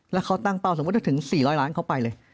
แล้วเขาตั้งเป้าสมมุติถ้าถึง๔๐๐ล้านเขาไปเลย